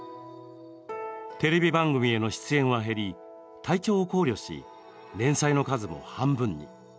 テレビ番組への出演は減り体調を考慮し、連載の数も半分に。